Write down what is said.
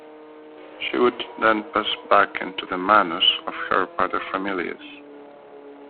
She would then pass back into the "manus" of her "paterfamilias".